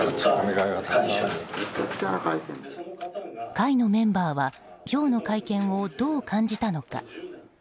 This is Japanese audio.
会のメンバーは今日の会見をどう感じたのか。